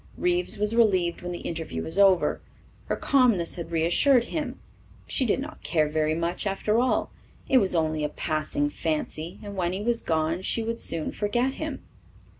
Reeves was relieved when the interview was over. Her calmness had reassured him. She did not care very much, after all; it was only a passing fancy, and when he was gone she would soon forget him.